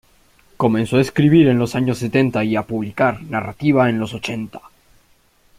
Comenzó a escribir en los años setenta y a publicar, narrativa, en los ochenta.